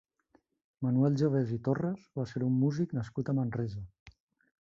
Manuel Jovés i Torras va ser un músic nascut a Manresa.